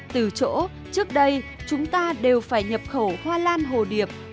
từ chỗ trước đây chúng ta đều phải nhập khẩu hoa lan hồ điệp